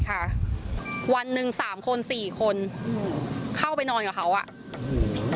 ค่ะวันหนึ่งสามคนสี่คนอืมเข้าไปนอนกับเขาอ่ะอืม